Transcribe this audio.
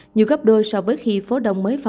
nhiều gấp đôi so với khi phố đông mới phong tỏa